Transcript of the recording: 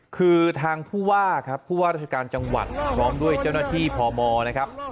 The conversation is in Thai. คือทางผู้ว่าครับผู้ว่าราชการจังหวัดพร้อมด้วยเจ้าหน้าที่พมนะครับ